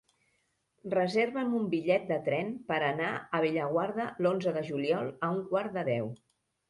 Reserva'm un bitllet de tren per anar a Bellaguarda l'onze de juliol a un quart de deu.